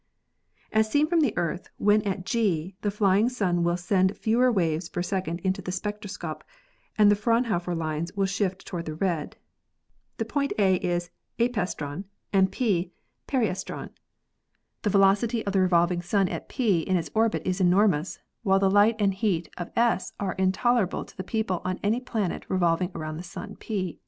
As seen from the Earth when at G, the flying sun will send fewer waves per second into the spectroscope and the Fraunhofer lines will shift toward the red. The point A is apastron and P VARIABLE AND BINARY STARS 287 periastron. The velocity of the revolving sun at P in its orbit is enormous, while the light and heat of S are intol erable to the people on any planet revolving around the sun P.